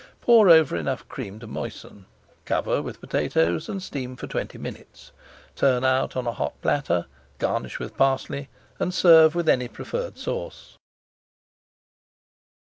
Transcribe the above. Pour over enough cream to moisten, cover with potatoes and steam for twenty minutes. Turn out on a hot platter, garnish with parsley, and serve with any preferred sauce.